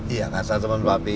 iya kata temen bopi